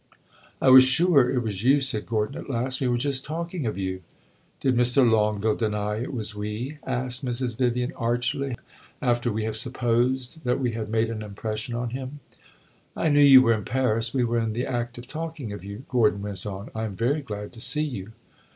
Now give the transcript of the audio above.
"I was sure it was you," said Gordon at last. "We were just talking of you." "Did Mr. Longueville deny it was we?" asked Mrs. Vivian, archly; "after we had supposed that we had made an impression on him!" "I knew you were in Paris we were in the act of talking of you," Gordon went on. "I am very glad to see you."